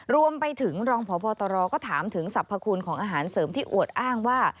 รวมไปถึงรองพบตรก็ถามถึงสรรพคุณของอาหารเสริมที่อวดอ้างว่า